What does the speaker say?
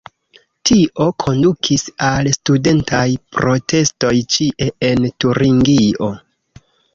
Tio kondukis al studentaj protestoj ĉie en Turingio.